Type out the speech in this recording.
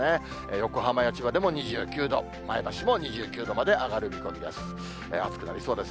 横浜や千葉でも２９度、前橋も２９度まで上がる見込みです。